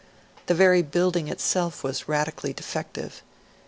The very building itself was radically defective.